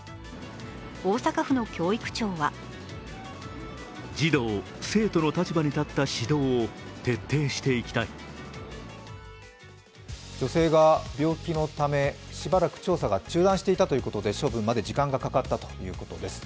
大阪府の教育庁は女性が病気のためしばらく調査が中断していたということで処分まで時間がかかったということです。